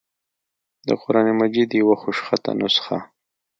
دَقرآن مجيد يوه خوشخطه نسخه